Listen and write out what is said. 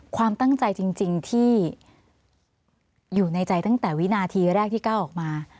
ความตั้งใจจริงที่อยู่ในใจตั้งแต่วินาทีแรกที่ก้าวออกมา